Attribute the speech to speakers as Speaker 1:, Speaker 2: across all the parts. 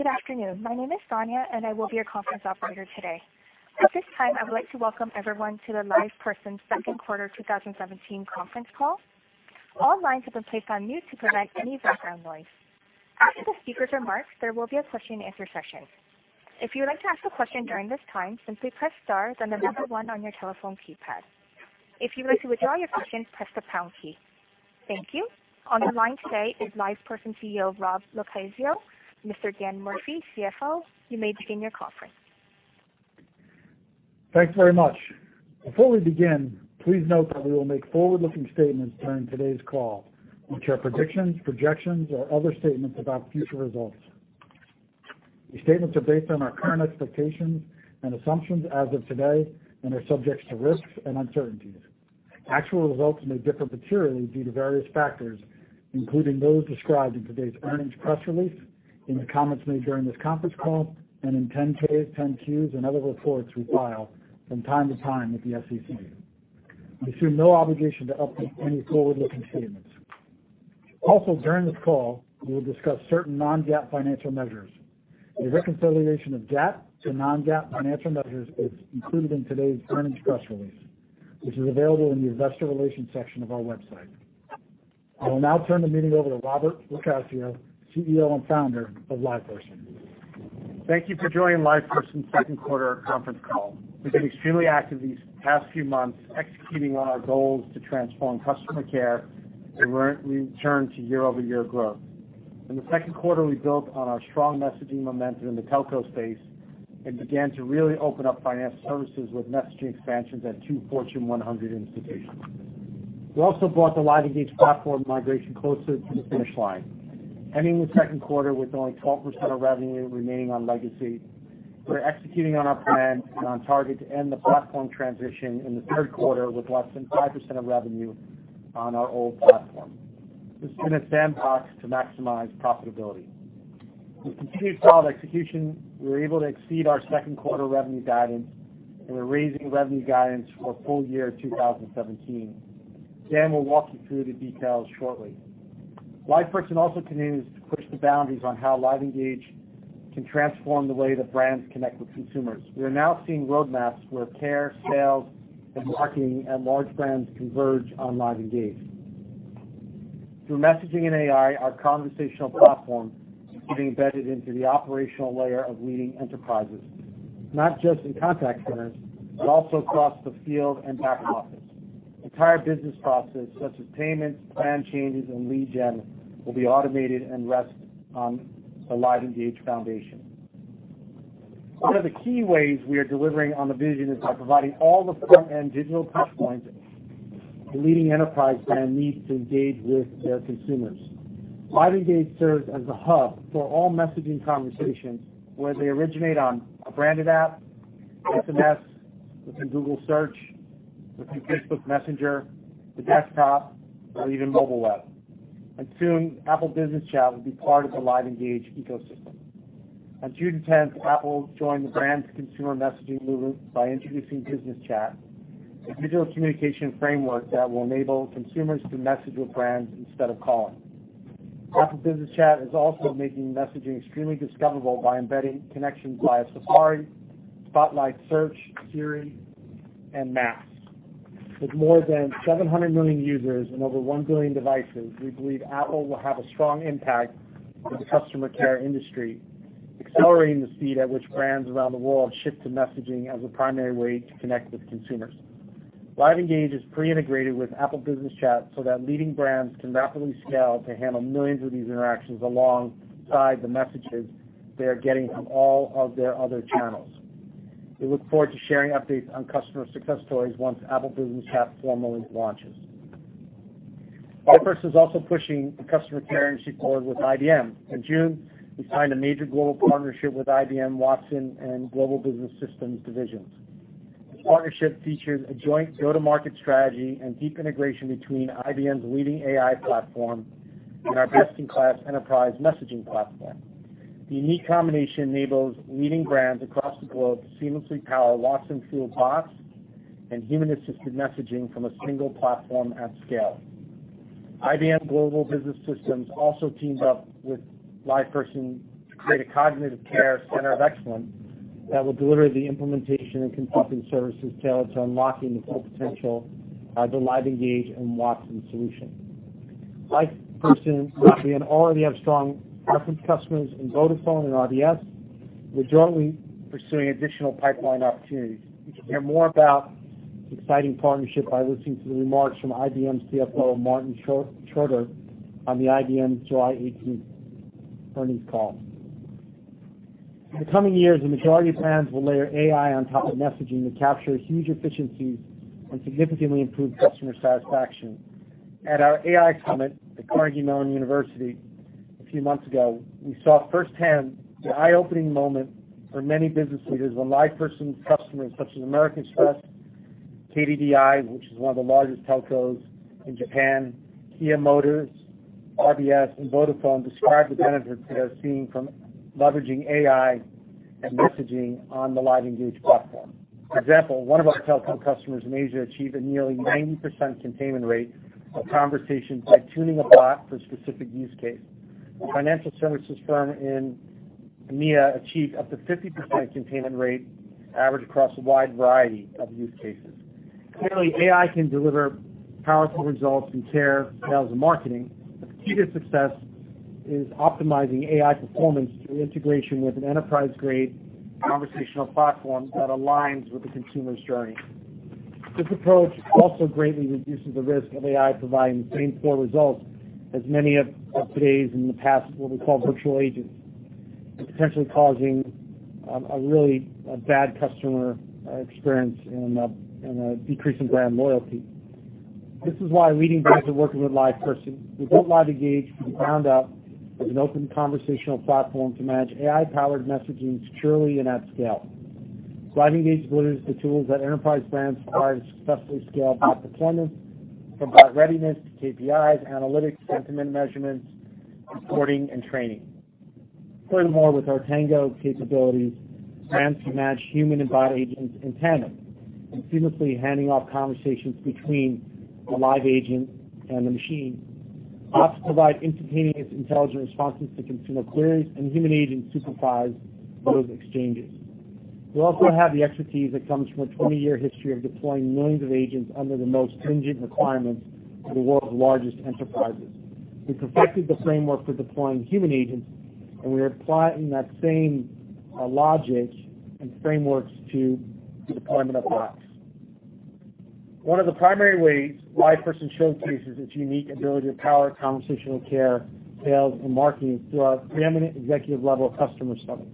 Speaker 1: Good afternoon. My name is Sonia, and I will be your conference operator today. At this time, I would like to welcome everyone to the LivePerson Second Quarter 2017 conference call. All lines have been placed on mute to prevent any background noise. After the speakers' remarks, there will be a question and answer session. If you would like to ask a question during this time, simply press star, then 1 on your telephone keypad. If you would like to withdraw your question, press the pound key. Thank you. On the line today is LivePerson CEO, Robert LoCascio, Mr. Daniel Murphy, CFO. You may begin your conference.
Speaker 2: Thanks very much. Before we begin, please note that we will make forward-looking statements during today's call, which are predictions, projections, or other statements about future results. These statements are based on our current expectations and assumptions as of today and are subject to risks and uncertainties. Actual results may differ materially due to various factors, including those described in today's earnings press release, in the comments made during this conference call, and in 10-Ks, 10-Qs, and other reports we file from time to time with the SEC. We assume no obligation to update any forward-looking statements. Also, during this call, we will discuss certain non-GAAP financial measures. A reconciliation of GAAP to non-GAAP financial measures is included in today's earnings press release, which is available in the investor relations section of our website. I will now turn the meeting over to Robert LoCascio, CEO and founder of LivePerson.
Speaker 3: Thank you for joining LivePerson's second quarter conference call. We've been extremely active these past few months executing on our goals to transform customer care and return to year-over-year growth. In the second quarter, we built on our strong messaging momentum in the telco space and began to really open up financial services with messaging expansions at two Fortune 100 institutions. We also brought the LiveEngage platform migration closer to the finish line, ending the second quarter with only 12% of revenue remaining on legacy. We're executing on our plan and on target to end the platform transition in the third quarter with less than 5% of revenue on our old platform. This is in a sandbox to maximize profitability. With continued solid execution, we were able to exceed our second quarter revenue guidance, and we're raising revenue guidance for full year 2017. Dan will walk you through the details shortly. LivePerson also continues to push the boundaries on how LiveEngage can transform the way that brands connect with consumers. We are now seeing roadmaps where care, sales, and marketing and large brands converge on LiveEngage. Through messaging and AI, our conversational platform is getting embedded into the operational layer of leading enterprises, not just in contact centers, but also across the field and back office. Entire business processes such as payments, plan changes, and lead gen will be automated and rest on the LiveEngage foundation. One of the key ways we are delivering on the vision is by providing all the front-end digital touch points a leading enterprise brand needs to engage with their consumers. LiveEngage serves as a hub for all messaging conversations, whether they originate on a branded app, SMS, within Google Search, through Facebook Messenger, the desktop, or even mobile web. Soon, Apple Business Chat will be part of the LiveEngage ecosystem. On June 10th, Apple joined the brand to consumer messaging movement by introducing Business Chat, a digital communication framework that will enable consumers to message with brands instead of calling. Apple Business Chat is also making messaging extremely discoverable by embedding connections via Safari, Spotlight Search, Siri, and Maps. With more than 700 million users and over 1 billion devices, we believe Apple will have a strong impact on the customer care industry, accelerating the speed at which brands around the world shift to messaging as a primary way to connect with consumers. LiveEngage is pre-integrated with Apple Business Chat so that leading brands can rapidly scale to handle millions of these interactions alongside the messages they are getting from all of their other channels. We look forward to sharing updates on customer success stories once Apple Business Chat formally launches. LivePerson is also pushing customer care and with IBM. In June, we signed a major global partnership with IBM Watson and Global Business Services divisions. This partnership features a joint go-to-market strategy and deep integration between IBM's leading AI platform and our best-in-class enterprise messaging platform. The unique combination enables leading brands across the globe to seamlessly power Watson-fueled bots and human-assisted messaging from a single platform at scale. IBM Global Business Services also teamed up with LivePerson to create a Cognitive Care Center of Excellence that will deliver the implementation and consulting services tailored to unlocking the full potential of the LiveEngage and Watson solution. LivePerson and IBM already have strong reference customers in Vodafone and RBS and are jointly pursuing additional pipeline opportunities. You can hear more about this exciting partnership by listening to the remarks from IBM CFO, Martin Schroeter, on the IBM July 18 earnings call. In the coming years, the majority of brands will layer AI on top of messaging to capture huge efficiencies and significantly improve customer satisfaction. At our Bot Summit at Carnegie Mellon University a few months ago, we saw firsthand the eye-opening moment for many business leaders when LivePerson customers such as American Express, KDDI, which is one of the largest telcos in Japan, Kia Motors, RBS, and Vodafone described the benefits they are seeing from leveraging AI and messaging on the LiveEngage platform. For example, one of our telco customers in Asia achieved a nearly 90% containment rate of conversations by tuning a bot for specific use case. A financial services firm in EMEA achieved up to 50% containment rate average across a wide variety of use cases. Clearly, AI can deliver powerful results in care, sales, and marketing, but the key to success is optimizing AI performance through integration with an enterprise-grade conversational platform that aligns with the consumer's journey. This approach also greatly reduces the risk of AI providing subpar results, as many of today's and the past, what we call virtual agents, and potentially causing a really bad customer experience and a decrease in brand loyalty. This is why leading brands are working with LivePerson. We built LiveEngage from the ground up as an open conversational platform to manage AI-powered messaging securely and at scale. LiveEngage delivers the tools that enterprise brands require to successfully scale bot deployment, from bot readiness to KPIs, analytics, sentiment measurements, reporting, and training. Furthermore, with our Tango capabilities, brands can match human and bot agents in tandem, seamlessly handing off conversations between a live agent and a machine. Bots provide instantaneous, intelligent responses to consumer queries, and human agents supervise those exchanges. We also have the expertise that comes from a 20-year history of deploying millions of agents under the most stringent requirements for the world's largest enterprises. We perfected the framework for deploying human agents, and we're applying that same logic and frameworks to the deployment of bots. One of the primary ways LivePerson showcases its unique ability to power conversational care, sales, and marketing through our preeminent executive level customer studies.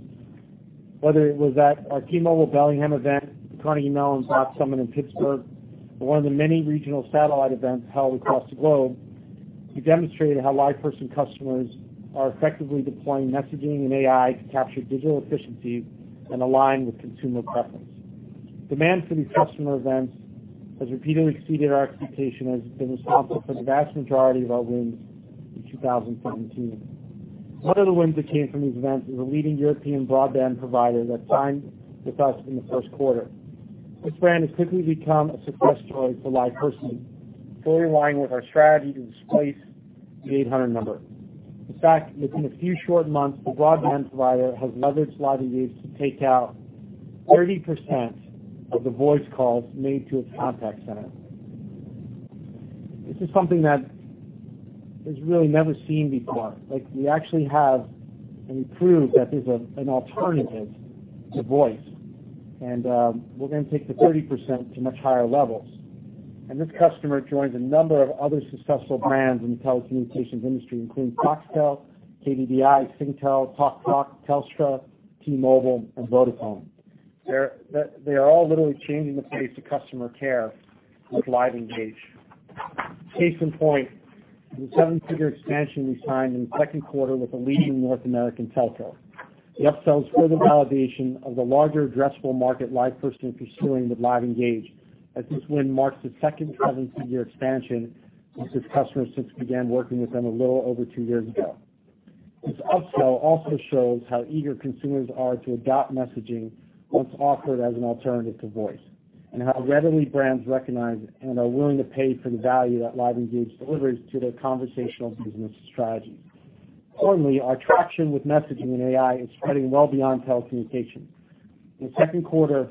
Speaker 3: Whether it was at our T-Mobile Bellingham event, Carnegie Mellon's Bot Summit in Pittsburgh, or one of the many regional satellite events held across the globe, we demonstrated how LivePerson customers are effectively deploying messaging and AI to capture digital efficiency and align with consumer preference. Demand for these customer events has repeatedly exceeded our expectation, has been responsible for the vast majority of our wins in 2017. One of the wins that came from these events is a leading European broadband provider that signed with us in the first quarter. This brand has quickly become a success story for LivePerson, fully aligned with our strategy to displace the 800 number. In fact, within a few short months, the broadband provider has leveraged LiveEngage to take out 30% of the voice calls made to its contact center. This is something that is really never seen before. We actually have and we proved that there's an alternative to voice, and we're going to take the 30% to much higher levels. This customer joins a number of other successful brands in the telecommunications industry, including Foxtel, KDDI, Singtel, TalkTalk, Telstra, T-Mobile, and Vodafone. They are all literally changing the face of customer care with LiveEngage. Case in point, the seven-figure expansion we signed in the second quarter with a leading North American telco. The upsells were the validation of the larger addressable market LivePerson is pursuing with LiveEngage, as this win marks the second seven-figure expansion with this customer since we began working with them a little over two years ago. This upsell also shows how eager consumers are to adopt messaging once offered as an alternative to voice, and how readily brands recognize and are willing to pay for the value that LiveEngage delivers to their conversational business strategies. Finally, our traction with messaging and AI is spreading well beyond telecommunications. In the second quarter,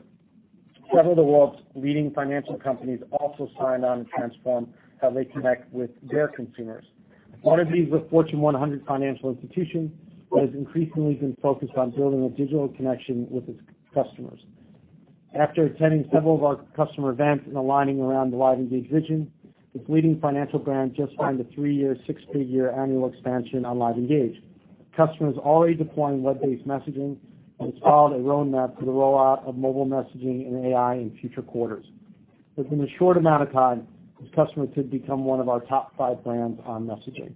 Speaker 3: several of the world's leading financial companies also signed on to transform how they connect with their consumers. One of these was a Fortune 100 financial institution that has increasingly been focused on building a digital connection with its customers. After attending several of our customer events and aligning around the LiveEngage vision, this leading financial brand just signed a three-year, six-figure annual expansion on LiveEngage. The customer is already deploying web-based messaging and has filed a roadmap for the rollout of mobile messaging and AI in future quarters. Within a short amount of time, this customer could become one of our top five brands on messaging.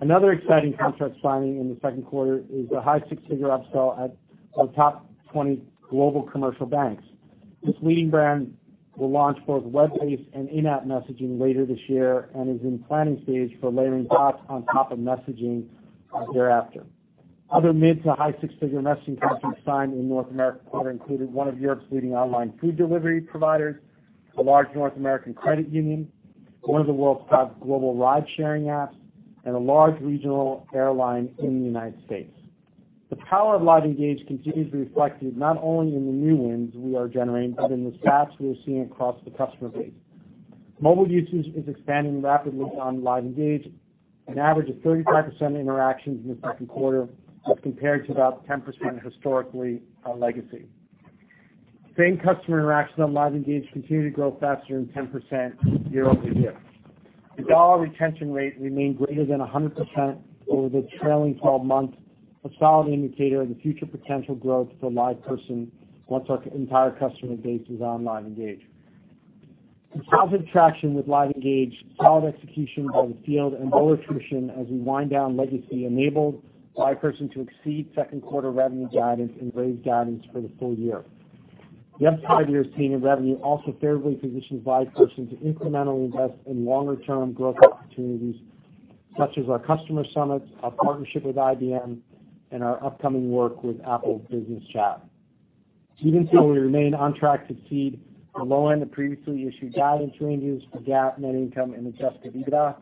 Speaker 3: Another exciting contract signing in the second quarter is the high six-figure upsell at one of top 20 global commercial banks. This leading brand will launch both web-based and in-app messaging later this year and is in planning stage for layering bots on top of messaging thereafter. Other mid to high six-figure messaging contracts signed in North America quarter included one of Europe's leading online food delivery providers, a large North American credit union, one of the world's top global ride-sharing apps, and a large regional airline in the U.S. The power of LiveEngage continues to be reflected not only in the new wins we are generating, but in the stats we are seeing across the customer base. Mobile usage is expanding rapidly on LiveEngage. An average of 35% of interactions in the second quarter as compared to about 10% historically on legacy. Same customer interactions on LiveEngage continue to grow faster than 10% year-over-year. The dollar retention rate remained greater than 100% over the trailing 12 months, a solid indicator of the future potential growth for LivePerson once our entire customer base moves on LiveEngage. The positive traction with LiveEngage, solid execution by the field, and lower attrition as we wind down legacy enabled LivePerson to exceed second quarter revenue guidance and raise guidance for the full year. The upside we are seeing in revenue also favorably positions LivePerson to incrementally invest in longer-term growth opportunities, such as our customer summits, our partnership with IBM, and our upcoming work with Apple Business Chat. Even so, we remain on track to exceed the low end of previously issued guidance ranges for GAAP net income and adjusted EBITDA.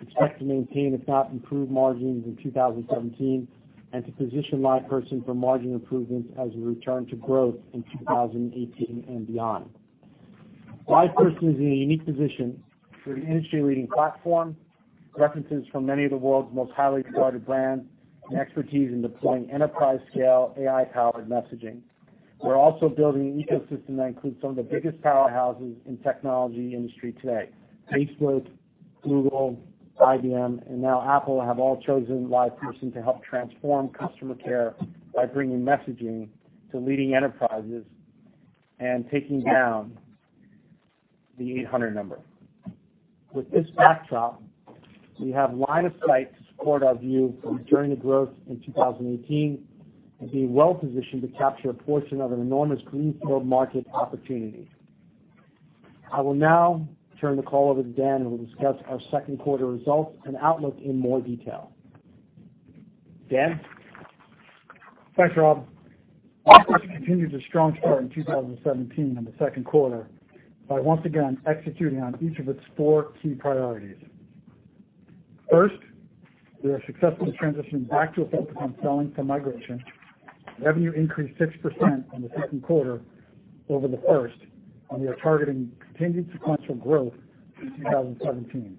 Speaker 3: We expect to maintain, if not improve margins in 2017 and to position LivePerson for margin improvements as we return to growth in 2018 and beyond. LivePerson is in a unique position with an industry-leading platform, references from many of the world's most highly regarded brands, and expertise in deploying enterprise-scale AI-powered messaging. We're also building an ecosystem that includes some of the biggest powerhouses in the technology industry today. Facebook, Google, IBM, and now Apple have all chosen LivePerson to help transform customer care by bringing messaging to leading enterprises and taking down the 800 number. With this backdrop, we have line of sight to support our view of returning to growth in 2018 and being well-positioned to capture a portion of an enormous greenfield market opportunity. I will now turn the call over to Dan, who will discuss our second quarter results and outlook in more detail. Dan?
Speaker 2: Thanks, Rob. LivePerson continued its strong start in 2017 in the second quarter by once again executing on each of its four key priorities. First, we are successfully transitioning back to a focus on selling for migration. Revenue increased 6% in the second quarter over the first, and we are targeting continued sequential growth through 2017,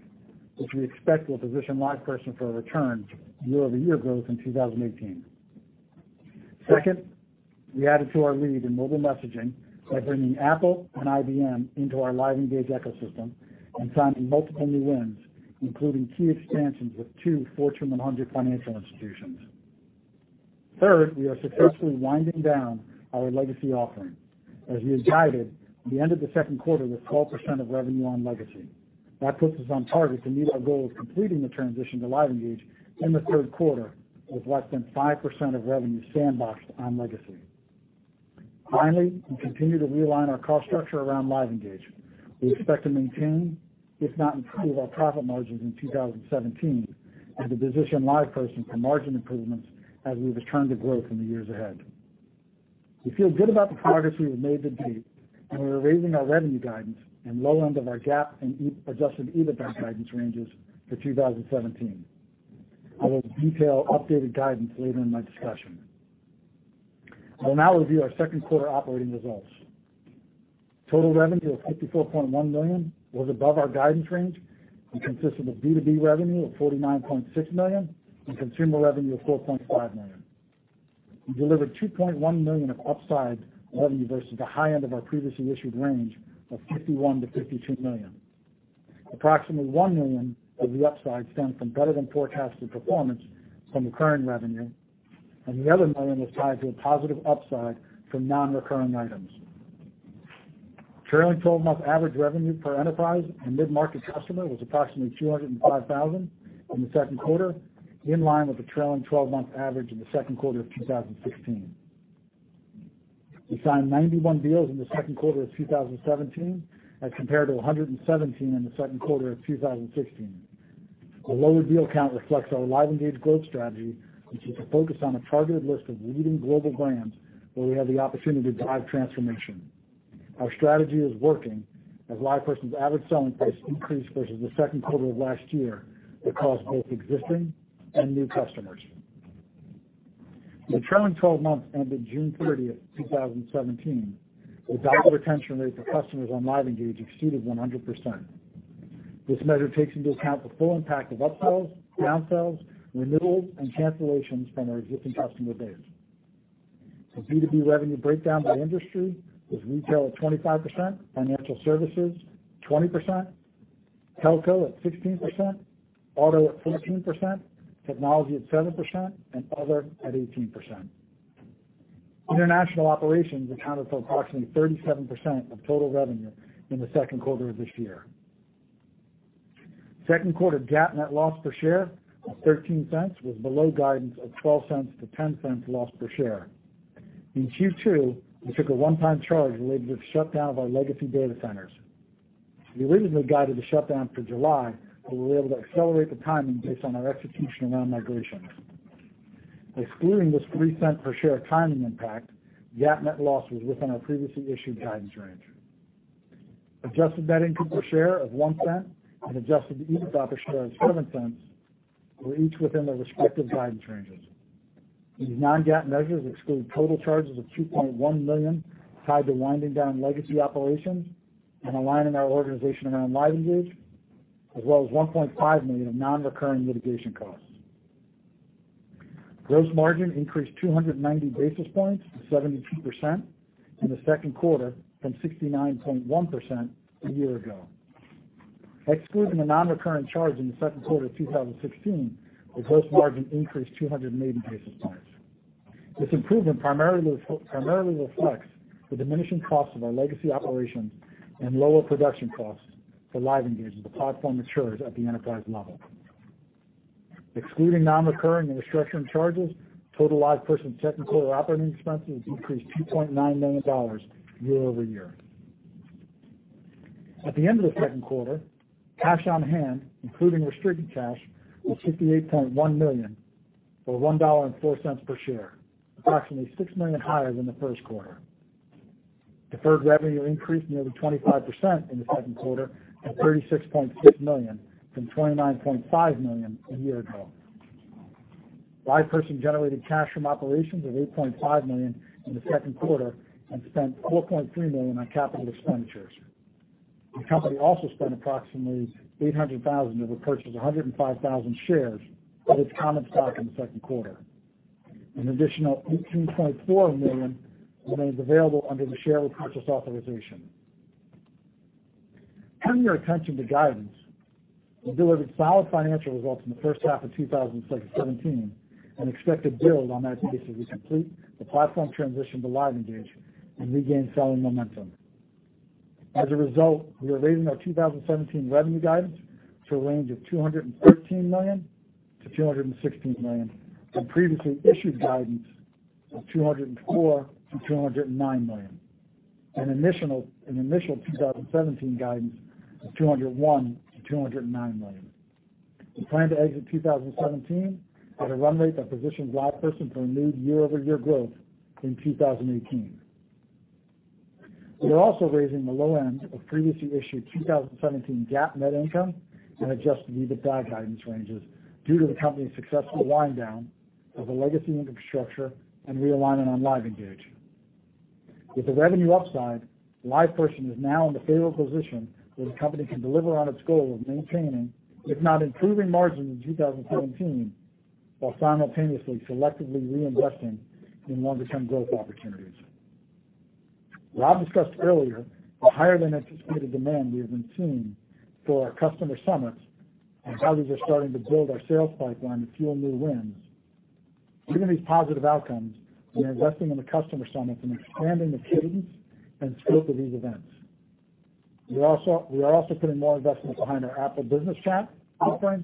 Speaker 2: which we expect will position LivePerson for a return to year-over-year growth in 2018. Second, we added to our lead in mobile messaging by bringing Apple and IBM into our LiveEngage ecosystem and signing multiple new wins, including key expansions with two Fortune 100 financial institutions. Third, we are successfully winding down our legacy offerings. As we had guided, at the end of the second quarter was 12% of revenue on legacy. That puts us on target to meet our goal of completing the transition to LiveEngage in the third quarter, with less than 5% of revenue sandboxed on legacy. Finally, we continue to realign our cost structure around LiveEngage. We expect to maintain, if not improve our profit margins in 2017 as we position LivePerson for margin improvements as we return to growth in the years ahead. We feel good about the progress we have made to date, and we are raising our revenue guidance and low end of our GAAP and adjusted EBITDA guidance ranges for 2017. I will detail updated guidance later in my discussion. I will now review our second quarter operating results. Total revenue of $54.1 million was above our guidance range and consisted of B2B revenue of $49.6 million and consumer revenue of $4.5 million. We delivered $2.1 million of upside revenue versus the high end of our previously issued range of $51 million-$52 million. Approximately $1 million of the upside stemmed from better-than-forecasted performance from recurring revenue, and the other million was tied to a positive upside from non-recurring items. Trailing 12-month average revenue per enterprise and mid-market customer was approximately $205,000 in the second quarter, in line with the trailing 12-month average in the second quarter of 2016. We signed 91 deals in the second quarter of 2017 as compared to 117 in the second quarter of 2016. The lower deal count reflects our LiveEngage growth strategy, which is focused on a targeted list of leading global brands where we have the opportunity to drive transformation. Our strategy is working as LivePerson's average selling price increased versus the second quarter of last year across both existing and new customers. For the trailing 12 months ended June 30, 2017, the dollar retention rate for customers on LiveEngage exceeded 100%. This measure takes into account the full impact of upsells, downsells, renewals, and cancellations from our existing customer base. The B2B revenue breakdown by industry was retail at 25%, financial services 20%, telco at 16%, auto at 14%, technology at 7%, and other at 18%. International operations accounted for approximately 37% of total revenue in the second quarter of this year. Second quarter GAAP net loss per share of $0.13 was below guidance of $0.12-$0.10 loss per share. In Q2, we took a one-time charge related to the shutdown of our legacy data centers. We originally guided the shutdown for July, but we were able to accelerate the timing based on our execution around migration. Excluding this $0.03 per share timing impact, the GAAP net loss was within our previously issued guidance range. Adjusted net income per share of $0.01 and adjusted EBITDA per share of $0.07 were each within their respective guidance ranges. These non-GAAP measures exclude total charges of $2.1 million tied to winding down legacy operations and aligning our organization around LiveEngage, as well as $1.5 million of non-recurring litigation costs. Gross margin increased 290 basis points to 72% in the second quarter from 69.1% a year ago. Excluding a non-recurring charge in the second quarter of 2016, the gross margin increased 280 basis points. This improvement primarily reflects the diminishing cost of our legacy operations and lower production costs for LiveEngage as the platform matures at the enterprise level. Excluding non-recurring and restructuring charges, total LivePerson second quarter operating expenses increased $2.9 million year-over-year. At the end of the second quarter, cash on hand, including restricted cash, was $58.1 million, or $1.04 per share, approximately $6 million higher than the first quarter. Deferred revenue increased nearly 25% in the second quarter to $36.6 million from $29.5 million a year ago. LivePerson generated cash from operations of $8.5 million in the second quarter and spent $4.3 million on capital expenditures. The company also spent approximately $800,000 to repurchase 105,000 shares of its common stock in the second quarter. An additional $18.4 million remains available under the share repurchase authorization. Turning your attention to guidance. We delivered solid financial results in the first half of 2017 and expect to build on that as we complete the platform transition to LiveEngage and regain selling momentum. We are raising our 2017 revenue guidance to a range of $213 million-$216 million from previously issued guidance of $204 million-$209 million, and initial 2017 guidance of $201 million-$209 million. We plan to exit 2017 at a run rate that positions LivePerson for renewed year-over-year growth in 2018. We are also raising the low end of previously issued 2017 GAAP net income and adjusted EBITDA guidance ranges due to the company's successful wind down of the legacy infrastructure and realigning on LiveEngage. With the revenue upside, LivePerson is now in the favorable position where the company can deliver on its goal of maintaining, if not improving margin in 2017 while simultaneously selectively reinvesting in longer-term growth opportunities. Rob discussed earlier the higher than anticipated demand we have been seeing for our customer summits as companies are starting to build our sales pipeline to fuel new wins. Given these positive outcomes, we are investing in the customer summits and expanding the cadence and scope of these events. We are also putting more investments behind our Apple Business Chat offering,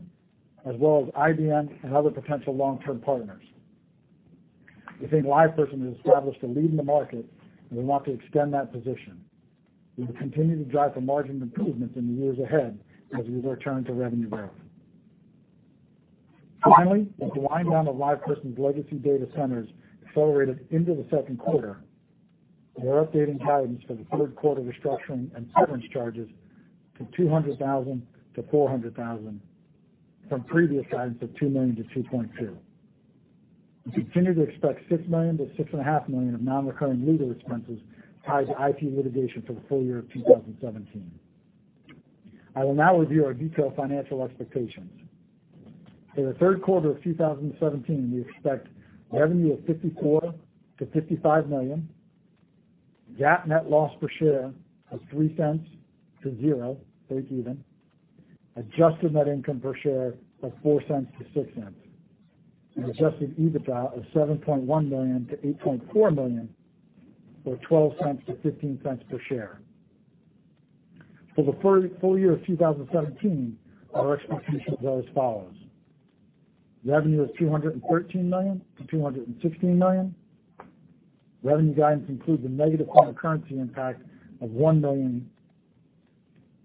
Speaker 2: as well as IBM and other potential long-term partners. We think LivePerson has established a lead in the market and we want to extend that position. We will continue to drive for margin improvements in the years ahead as we return to revenue growth. Finally, the wind down of LivePerson's legacy data centers accelerated into the second quarter. We are updating guidance for the third quarter restructuring and severance charges from $200,000-$400,000 from previous guidance of $2 million-$2.2 million. We continue to expect $6 million-$6.5 million of non-recurring legal expenses tied to IP litigation for the full year of 2017. I will now review our detailed financial expectations. For the third quarter of 2017, we expect revenue of $54 million-$55 million, GAAP net loss per share of $0.03 to zero, breakeven, adjusted net income per share of $0.04-$0.06, and adjusted EBITDA of $7.1 million-$8.4 million, or $0.12-$0.15 per share. For the full year of 2017, our expectations are as follows: Revenue of $213 million-$216 million. Revenue guidance includes a negative foreign currency impact of $1 million.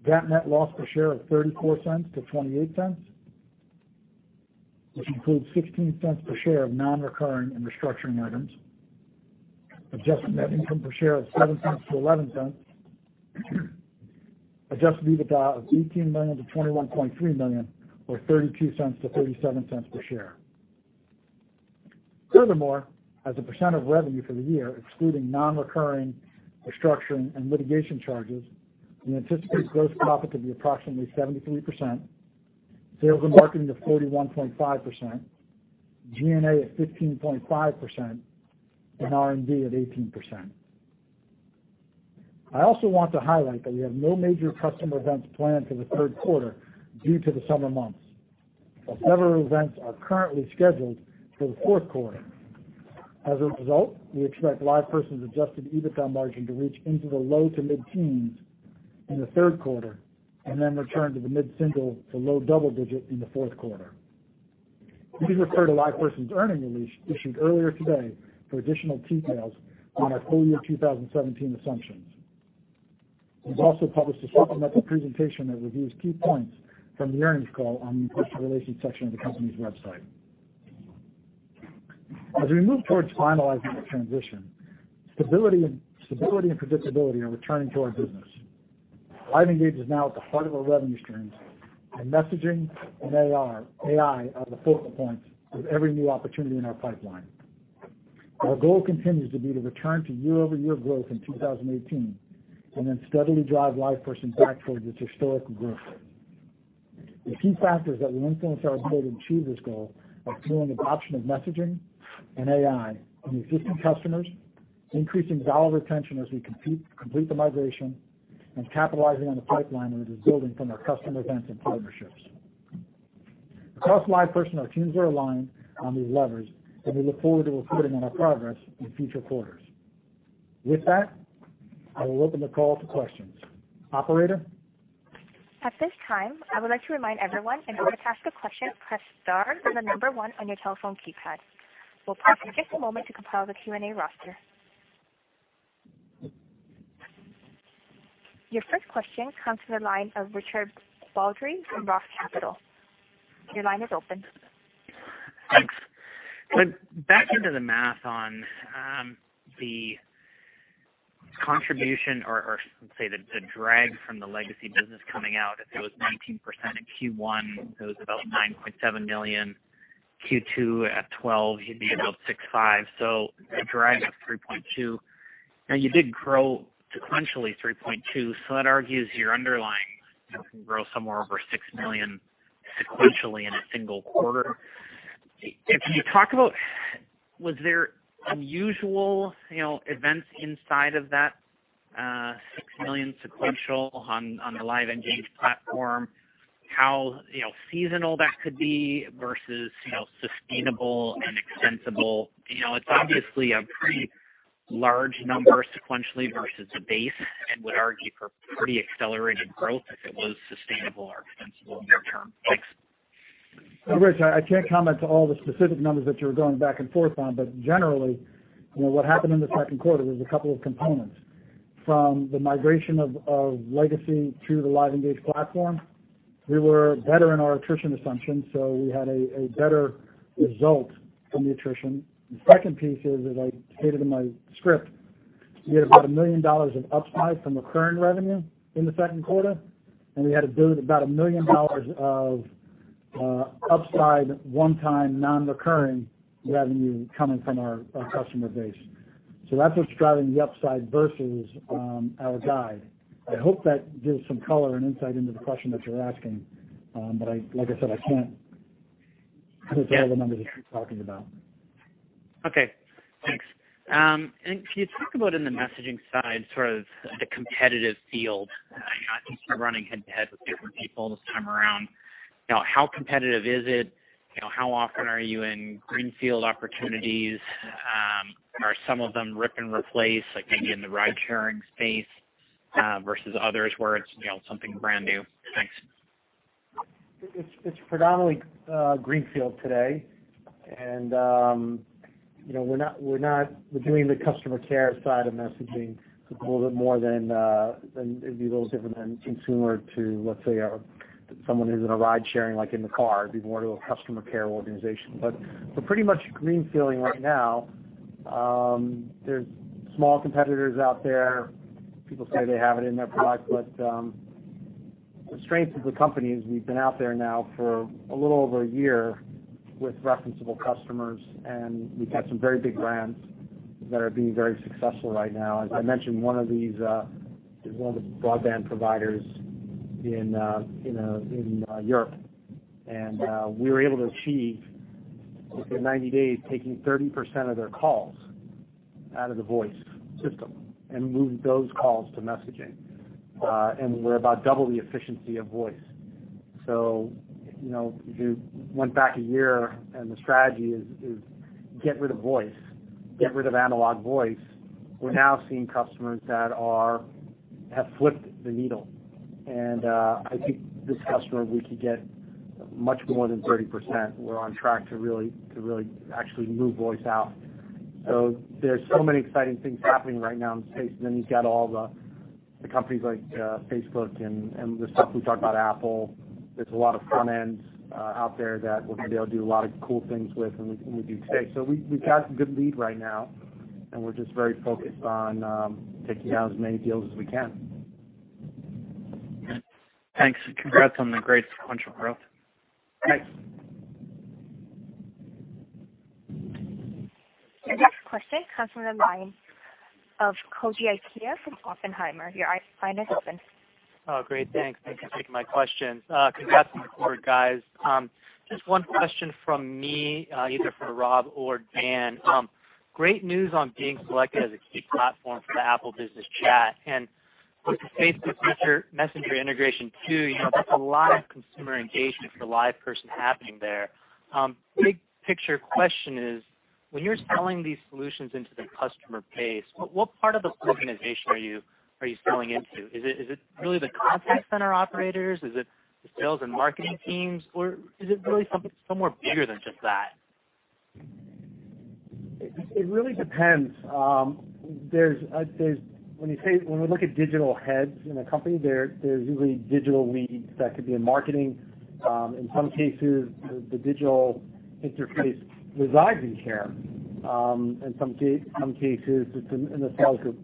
Speaker 2: GAAP net loss per share of $0.34-$0.28, which includes $0.16 per share of non-recurring and restructuring items. Adjusted net income per share of $0.07-$0.11. Adjusted EBITDA of $18 million-$21.3 million, or $0.32-$0.37 per share. As a percent of revenue for the year, excluding non-recurring restructuring and litigation charges, we anticipate gross profit to be approximately 73%, sales and marketing of 41.5%, G&A of 15.5%, and R&D of 18%. I also want to highlight that we have no major customer events planned for the third quarter due to the summer months, but several events are currently scheduled for the fourth quarter. As a result, we expect LivePerson's adjusted EBITDA margin to reach into the low to mid-teens in the third quarter and then return to the mid-single to low double digit in the fourth quarter. Please refer to LivePerson's earnings release issued earlier today for additional details on our full-year 2017 assumptions. We've also published a supplemental presentation that reviews key points from the earnings call on the investor relations section of the company's website. As we move towards finalizing the transition, stability and predictability are returning to our business. LiveEngage is now at the heart of our revenue streams, and messaging and AI are the focal points of every new opportunity in our pipeline. Our goal continues to be to return to year-over-year growth in 2018 and then steadily drive LivePerson back towards its historical growth rate. The key factors that will influence our ability to achieve this goal are growing adoption of messaging and AI in existing customers, increasing dollar retention as we complete the migration, and capitalizing on the pipeline that is building from our customer events and partnerships. Across LivePerson, our teams are aligned on these levers, and we look forward to reporting on our progress in future quarters.
Speaker 3: I will open the call to questions. Operator?
Speaker 1: At this time, I would like to remind everyone, in order to ask a question, press star, then the number one on your telephone keypad. We'll pause for just a moment to compile the Q&A roster. Your first question comes from the line of Richard Baldry from Roth Capital. Your line is open.
Speaker 4: Thanks. Back into the math on the contribution, or let's say the drag from the legacy business coming out. If it was 19% in Q1, so it was about $9.7 million, Q2 at 12%, you'd be about $6.5 million. A drag of $3.2 million. Now you did grow sequentially $3.2 million, so that argues your underlying can grow somewhere over $6 million sequentially in a single quarter. Can you talk about, was there unusual events inside of that $6 million sequential on the LiveEngage platform, how seasonal that could be versus sustainable and extensible? It's obviously a pretty large number sequentially versus the base and would argue for pretty accelerated growth if it was sustainable or extensible near-term. Thanks.
Speaker 3: Rich, I can't comment to all the specific numbers that you're going back and forth on, but generally, what happened in the second quarter, there's a couple of components. From the migration of Legacy to the LiveEngage platform, we were better in our attrition assumptions, so we had a better result from the attrition. The second piece is, as I stated in my script, we had about $1 million of upside from recurring revenue in the second quarter, and we had about $1 million of upside one-time non-recurring revenue coming from our customer base. That's what's driving the upside versus our guide. I hope that gives some color and insight into the question that you're asking. Like I said, I can't put together the numbers that you're talking about.
Speaker 4: Okay, thanks. Can you talk about in the messaging side, sort of the competitive field? I know you start running head to head with different people this time around. How competitive is it? How often are you in greenfield opportunities? Are some of them rip and replace, like maybe in the ride-sharing space, versus others where it's something brand new? Thanks.
Speaker 3: It's predominantly greenfield today. We're doing the customer care side of messaging a little bit more than, it'd be a little different than consumer to, let's say, someone who's in a ride sharing, like in the car. It'd be more to a customer care organization. We're pretty much greenfielding right now. There's small competitors out there. People say they have it in their product, but the strength of the company is we've been out there now for a little over a year with referenceable customers, and we've got some very big brands that are being very successful right now. As I mentioned, one of these is one of the broadband providers in Europe. We were able to achieve, within 90 days, taking 30% of their calls out of the voice system and move those calls to messaging. We're about double the efficiency of voice. If you went back a year and the strategy is get rid of voice, get rid of analog voice, we're now seeing customers that have flipped the needle. I think this customer, we could get much more than 30%. We're on track to really actually move voice out. There's so many exciting things happening right now in the space. Then you've got all the companies like Facebook and the stuff we talked about, Apple. There's a lot of front-ends out there that we'll be able to do a lot of cool things with than we do today. We've got some good lead right now, and we're just very focused on taking down as many deals as we can.
Speaker 4: Thanks. Congrats on the great sequential growth.
Speaker 3: Thanks.
Speaker 1: Your next question comes from the line of Koji Ikeda from Oppenheimer. Your line is open.
Speaker 5: Great, thanks. Thanks for taking my question. Congrats on the quarter, guys. Just one question from me, either for Rob or Dan. Great news on being selected as a key platform for the Apple Business Chat, and with the Facebook Messenger integration too, that's a lot of consumer engagement for LivePerson happening there. Big picture question is, when you're selling these solutions into the customer base, what part of the organization are you selling into? Is it really the contact center operators? Is it the sales and marketing teams, or is it really something somewhere bigger than just that?
Speaker 3: It really depends. When we look at digital heads in a company, there's usually digital leads that could be in marketing. In some cases, the digital interface resides in care. In some cases, it's in the sales group.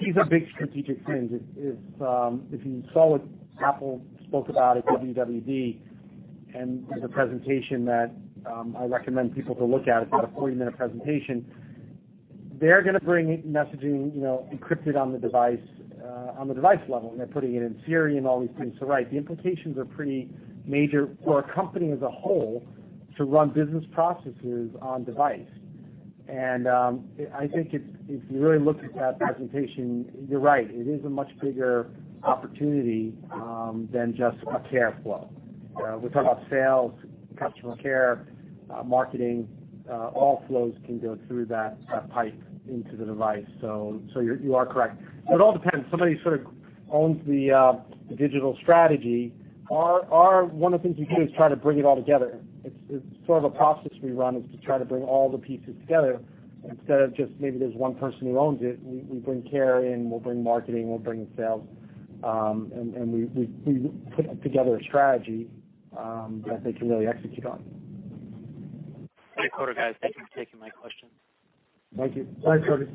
Speaker 3: These are big strategic wins. If you saw what Apple spoke about at WWDC, there's a presentation that I recommend people to look at. It's about a 40-minute presentation. They're going to bring messaging encrypted on the device level, and they're putting it in Siri and all these things. Right, the implications are pretty major for a company as a whole to run business processes on device. I think if you really look at that presentation, you're right. It is a much bigger opportunity than just a care flow. We talk about sales, customer care, marketing, all flows can go through that pipe into the device. You are correct. It all depends. Somebody owns the digital strategy. One of the things we do is try to bring it all together. It's sort of a process we run is to try to bring all the pieces together instead of just maybe there's one person who owns it. We bring care in, we'll bring marketing, we'll bring sales. We put together a strategy that they can really execute on.
Speaker 5: Thanks a quarter, guys. Thank you for taking my questions.
Speaker 3: Thank you.
Speaker 2: Bye, Koji.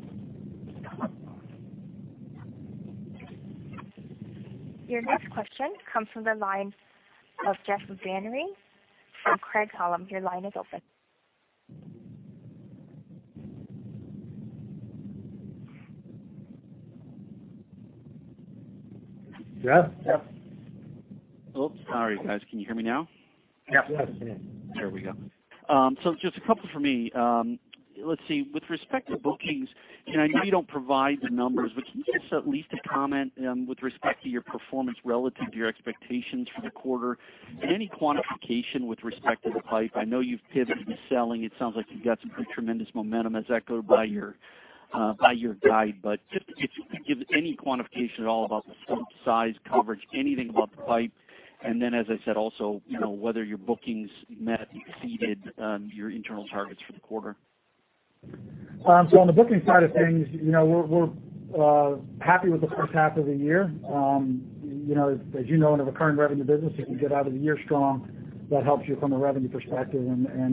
Speaker 1: Your next question comes from the line of Jeff Van Rhee from Craig-Hallum. Your line is open.
Speaker 3: Jeff?
Speaker 6: Oops. Sorry, guys. Can you hear me now?
Speaker 3: Yes.
Speaker 6: There we go. Just a couple from me. Let's see. With respect to bookings, I know you don't provide the numbers, can you give us at least a comment with respect to your performance relative to your expectations for the quarter? Any quantification with respect to the pipe? I know you've pivoted to selling. It sounds like you've got some pretty tremendous momentum as echoed by your guide. If you could give any quantification at all about the size, coverage, anything about the pipe. As I said, also, whether your bookings met, exceeded your internal targets for the quarter.
Speaker 3: On the booking side of things, we're happy with the first half of the year. As you know, in a recurring revenue business, if you get out of the year strong, that helps you from a revenue perspective,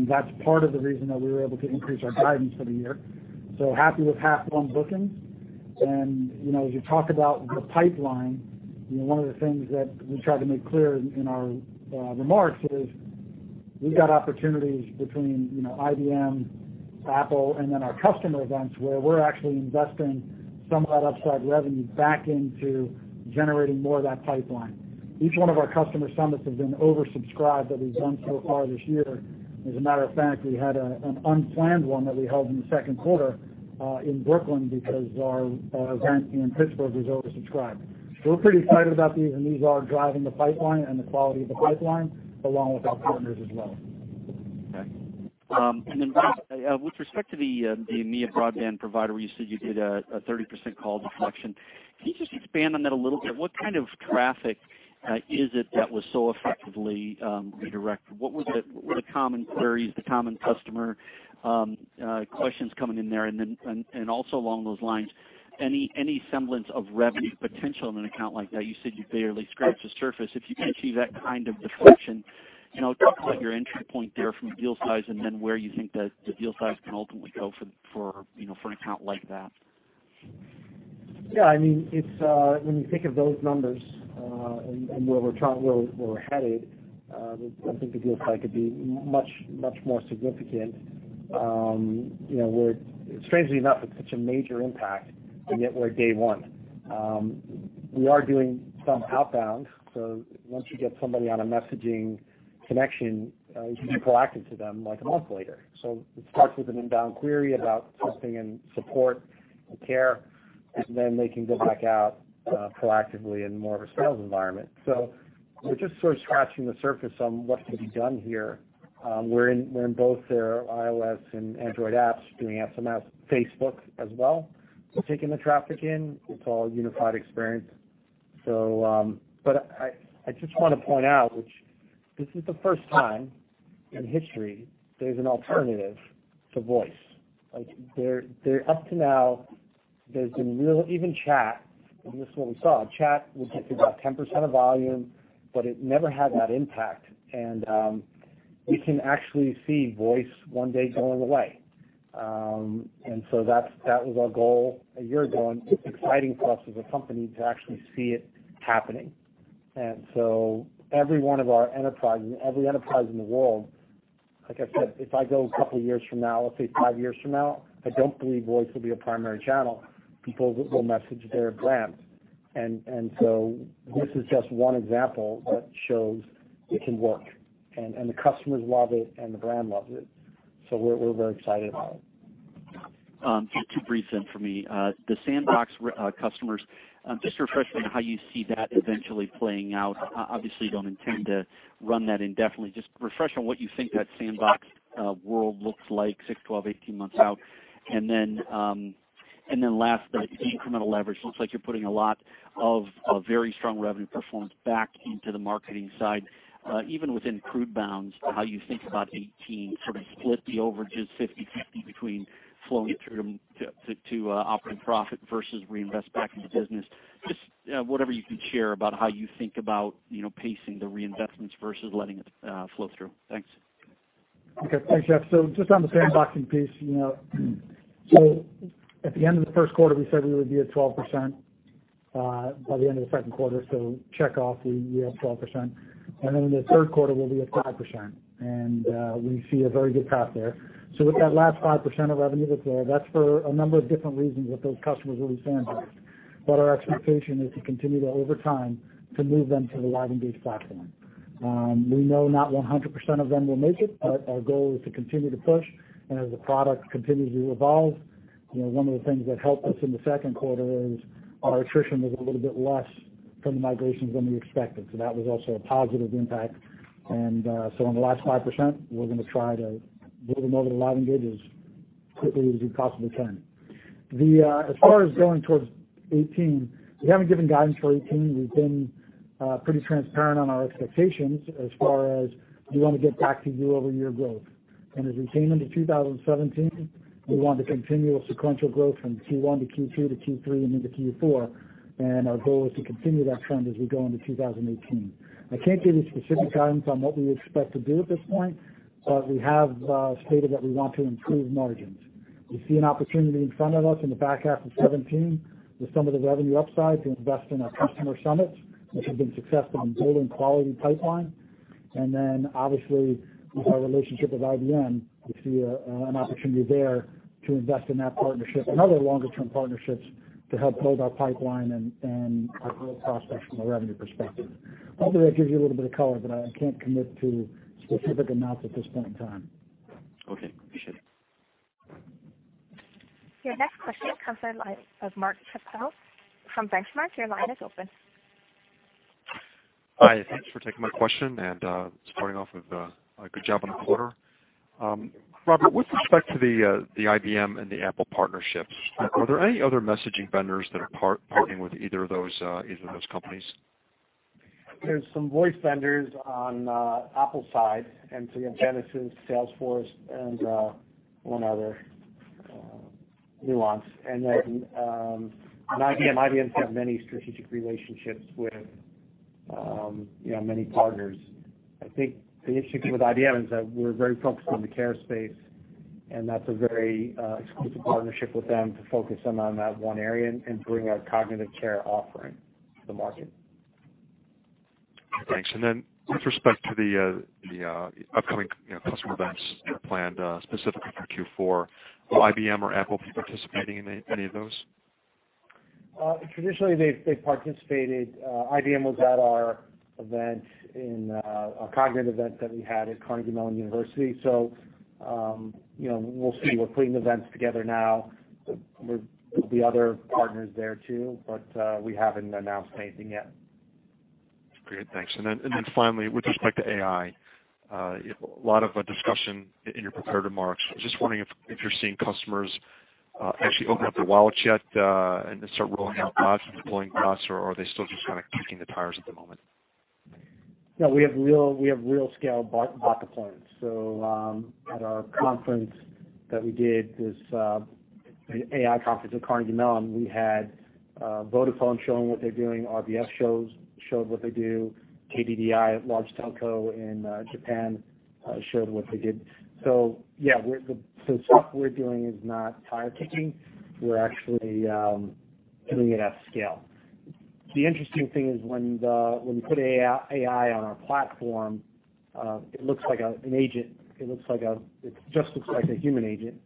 Speaker 3: that's part of the reason that we were able to increase our guidance for the year. Happy with half one bookings. As you talk about the pipeline, one of the things that we tried to make clear in our remarks is we've got opportunities between IBM, Apple, then our customer events where we're actually investing some of that upside revenue back into generating more of that pipeline. Each one of our customer summits has been oversubscribed that we've done so far this year. As a matter of fact, we had an unplanned one that we held in the second quarter in Brooklyn because our event in Pittsburgh was oversubscribed. We're pretty excited about these are driving the pipeline the quality of the pipeline along with our partners as well.
Speaker 6: Okay. With respect to the EMEA broadband provider, where you said you did a 30% call deflection, can you just expand on that a little bit? What kind of traffic is it that was so effectively redirect? What were the common queries, the common customer questions coming in there? Along those lines, any semblance of revenue potential in an account like that, you said you barely scratched the surface. If you can achieve that kind of deflection, talk about your entry point there from deal size where you think that the deal size can ultimately go for an account like that.
Speaker 3: When you think of those numbers, and where we're headed, I think the deal size could be much more significant. Strangely enough, it's such a major impact, yet we're day one. We are doing some outbound, once you get somebody on a messaging connection, you can be proactive to them like a month later. It starts with an inbound query about something in support and care, then they can go back out proactively in more of a sales environment. We're just sort of scratching the surface on what can be done here. We're in both their iOS and Android apps, doing SMS, Facebook as well, taking the traffic in. It's all unified experience. I just want to point out which this is the first time in history there's an alternative to voice. Up to now, there's been even chat, this is what we saw. Chat would get to about 10% of volume, it never had that impact. We can actually see voice one day going away. That was our goal a year ago, it's exciting for us as a company to actually see it happening. Every one of our enterprise and every enterprise in the world, like I said, if I go a couple of years from now, let's say 5 years from now, I don't believe voice will be a primary channel. People will message their brands. This is just one example that shows it can work. The customers love it, the brand loves it. We're very excited about it.
Speaker 6: Two briefs in for me. The sandbox customers, just refresh on how you see that eventually playing out. Obviously, you don't intend to run that indefinitely. Just refresh on what you think that sandbox world looks like 6, 12, 18 months out. Then last, the incremental leverage. Looks like you're putting a lot of very strong revenue performance back into the marketing side. Even within crude bounds, how you think about 18 sort of split the overages 50/50 between flowing it through to operating profit versus reinvest back in the business. Just whatever you can share about how you think about pacing the reinvestments versus letting it flow through. Thanks.
Speaker 3: Okay. Thanks, Jeff. Just on the sandboxing piece, at the end of the first quarter, we said we would be at 12% by the end of the second quarter. Check off, we hit 12%. Then in the third quarter, we'll be at 5%, we see a very good path there. With that last 5% of revenue that's there, that's for a number of different reasons with those customers who we sandboxed. Our expectation is to continue to, over time, to move them to the LiveEngage platform. We know not 100% of them will make it, our goal is to continue to push. As the product continues to evolve, one of the things that helped us in the second quarter is our attrition was a little bit less from the migrations than we expected. That was also a positive impact.
Speaker 2: On the last 5%, we're going to try to move them over to LiveEngage as quickly as we possibly can. As far as going towards 2018, we haven't given guidance for 2018. We've been pretty transparent on our expectations as far as we want to get back to year-over-year growth. As we came into 2017, we want to continue a sequential growth from Q1 to Q2 to Q3 and into Q4, and our goal is to continue that trend as we go into 2018. I can't give you specific guidance on what we expect to do at this point, but we have stated that we want to improve margins. We see an opportunity in front of us in the back half of 2017 with some of the revenue upside to invest in our customer summits, which have been successful in building quality pipeline.
Speaker 3: Obviously with our relationship with IBM, we see an opportunity there to invest in that partnership and other longer-term partnerships to help build our pipeline and our growth prospects from a revenue perspective. Hopefully, that gives you a little bit of color, but I can't commit to specific amounts at this point in time.
Speaker 6: Okay, appreciate it.
Speaker 1: Your next question comes from the line of Mark Schappel from Benchmark. Your line is open.
Speaker 7: Hi, thanks for taking my question and starting off with a good job on the quarter. Robert, with respect to the IBM and the Apple partnerships, are there any other messaging vendors that are partnering with either of those companies?
Speaker 3: There's some voice vendors on Apple's side, Genesys, Salesforce, and one other, Nuance. IBM has many strategic relationships with many partners. I think the interesting thing with IBM is that we're very focused on the care space, and that's a very exclusive partnership with them to focus in on that one area and bring our cognitive care offering to the market.
Speaker 7: Thanks. With respect to the upcoming customer events planned specifically for Q4, will IBM or Apple be participating in any of those?
Speaker 3: Traditionally, they've participated. IBM was at our event, a cognitive event that we had at Carnegie Mellon University. We'll see. We're putting events together now. There'll be other partners there, too. We haven't announced anything yet.
Speaker 7: Great. Thanks. Finally, with respect to AI, a lot of discussion in your prepared remarks. I was just wondering if you're seeing customers actually open up their wallets yet and start rolling out bots and deploying bots, or are they still just kind of kicking the tires at the moment?
Speaker 3: No, we have real scale bot deployments. At our conference that we did, this AI conference at Carnegie Mellon University, we had Vodafone showing what they're doing. RBS showed what they do. KDDI, a large telco in Japan, showed what they did. Yeah, the stuff we're doing is not tire-kicking. We're actually doing it at scale. The interesting thing is when you put AI on our platform, it just looks like a human agent.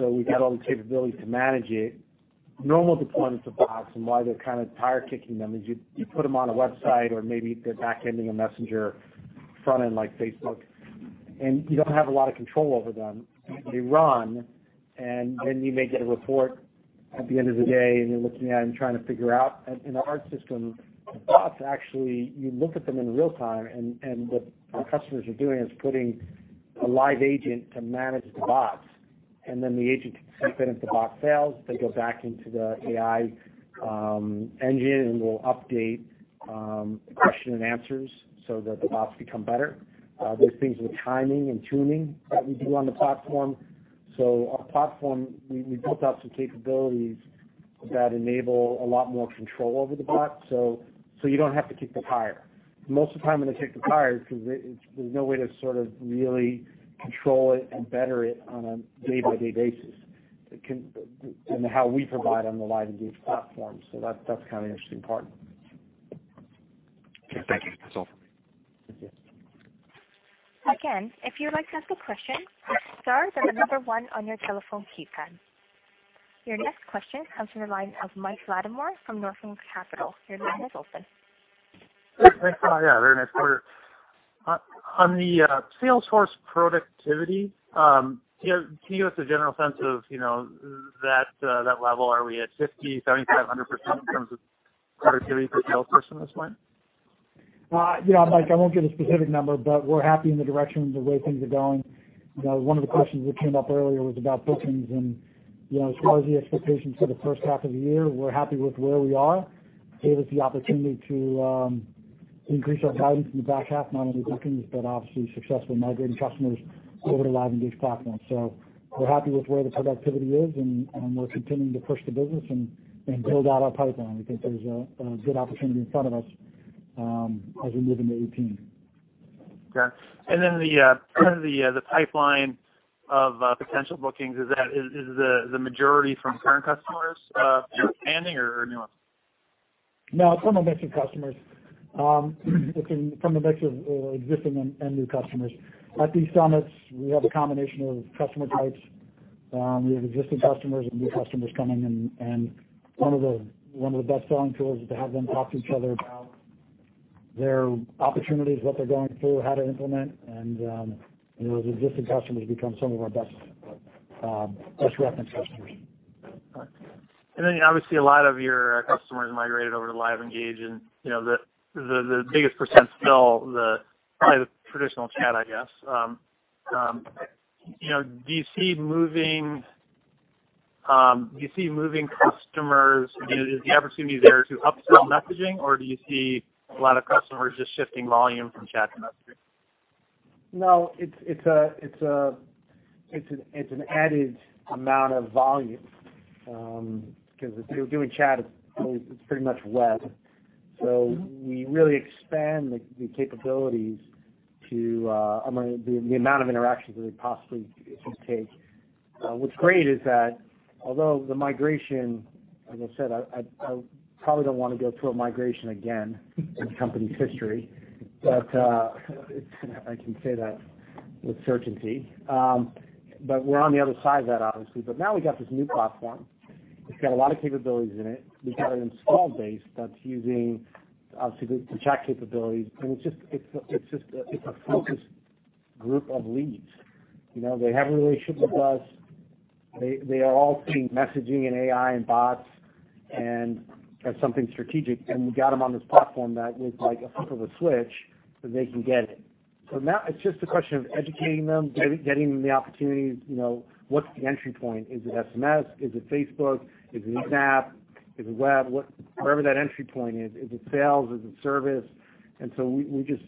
Speaker 3: We've got all the capabilities to manage it. Normal deployments of bots and why they're kind of tire-kicking them is you put them on a website or maybe they're back-ending a Facebook Messenger front end like Facebook, you don't have a lot of control over them. They run, you may get a report at the end of the day, and you're looking at it and trying to figure out. In our system, the bots actually, you look at them in real time, what our customers are doing is putting a live agent to manage the bots, the agent can step in if the bot fails. They go back into the AI engine and will update the question and answers so that the bots become better. There's things with timing and tuning that we do on the platform. Our platform, we built out some capabilities that enable a lot more control over the bot, so you don't have to kick the tire. Most of the time when they kick the tires, because there's no way to sort of really control it and better it on a day-by-day basis than how we provide on the LiveEngage platform. That's kind of the interesting part.
Speaker 7: Thank you. That's all for me.
Speaker 3: Thank you.
Speaker 1: If you would like to ask a question, press star then 1 on your telephone keypad. Your next question comes from the line of Mike Latimore from Northland Capital Markets. Your line is open.
Speaker 8: Thanks. Very nice quarter. On the sales force productivity, can you give us a general sense of that level? Are we at 50%, 75%, 100% in terms of productivity per salesperson at this point?
Speaker 3: Mike, I won't give a specific number, we're happy in the direction of the way things are going. One of the questions that came up earlier was about bookings and as far as the expectations for the first half of the year, we're happy with where we are. It gave us the opportunity to increase our guidance in the back half, not only bookings, obviously successful in migrating customers over to LiveEngage platforms. We're happy with where the productivity is, and we're continuing to push the business and build out our pipeline. We think there's a good opportunity in front of us as we move into 2018.
Speaker 8: Okay. Then the pipeline of potential bookings, is the majority from current customers expanding or new ones?
Speaker 3: No, from a mix of customers. It's from a mix of existing and new customers. At these summits, we have a combination of customer types. We have existing customers and new customers coming in. One of the best selling tools is to have them talk to each other about their opportunities, what they're going through, how to implement. The existing customers become some of our best reference customers.
Speaker 8: Obviously, a lot of your customers migrated over to LiveEngage. The biggest % still, probably the traditional chat, I guess. Do you see moving customers, is the opportunity there to upsell messaging, or do you see a lot of customers just shifting volume from chat to messaging?
Speaker 3: No, it's an added amount of volume, because if you're doing chat, it's pretty much web. We really expand the capabilities to the amount of interactions that we possibly could take. What's great is that although the migration, as I said, I probably don't want to go through a migration again in the company's history, but I can say that with certainty. We're on the other side of that, obviously, but now we've got this new platform. It's got a lot of capabilities in it. We've got an install base that's using obviously the chat capabilities. It's a focused group of leads. They have a relationship with us. They are all seeing messaging and AI and bots as something strategic. We got them on this platform that with a flick of a switch, they can get it. Now it's just a question of educating them, getting them the opportunities, what's the entry point? Is it SMS? Is it Facebook? Is it in-app? Is it web? Wherever that entry point is. Is it sales? Is it service? We just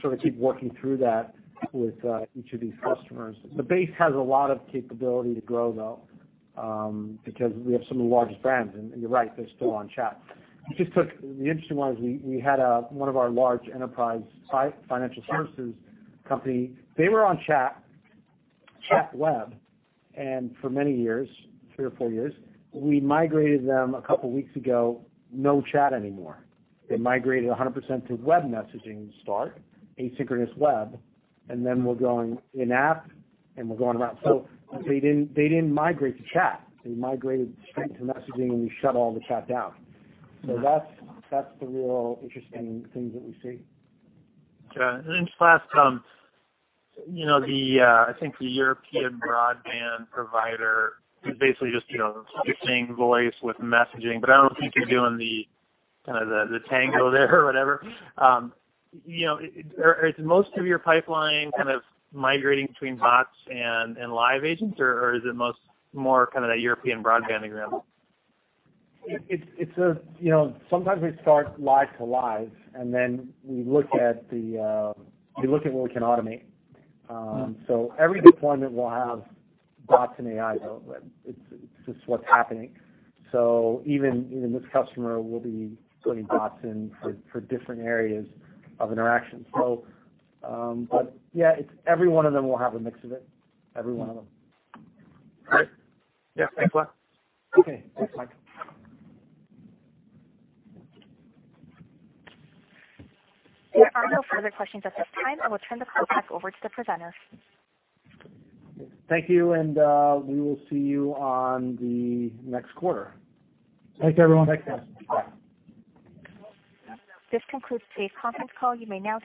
Speaker 3: sort of keep working through that with each of these customers. The base has a lot of capability to grow, though, because we have some of the largest brands, and you're right, they're still on chat. The interesting one is we had one of our large enterprise financial services company, they were on chat, web, and for many years, three or four years, we migrated them a couple of weeks ago, no chat anymore. They migrated 100% to web messaging to start, asynchronous web, and then we're going in-app, and we're going around. They didn't migrate to chat. They migrated straight to messaging, and we shut all the chat down. That's the real interesting things that we see.
Speaker 8: Yeah. Just last, I think the European broadband provider is basically just switching voice with messaging, but I don't think you're doing the Tango there or whatever. Is most of your pipeline kind of migrating between bots and live agents, or is it more kind of that European broadband example?
Speaker 3: Sometimes we start live to live, and then we look at what we can automate. Every deployment will have bots and AI, though. It's just what's happening. Even this customer will be putting bots in for different areas of interaction. Yeah, every one of them will have a mix of it. Every one of them.
Speaker 8: Great. Yeah, thanks a lot.
Speaker 3: Okay. Thanks, Mike.
Speaker 1: There are no further questions at this time. I will turn the call back over to the presenters.
Speaker 3: Thank you, we will see you on the next quarter.
Speaker 2: Thanks, everyone.
Speaker 3: Thanks, guys. Bye.
Speaker 1: This concludes today's conference call. You may now disconnect.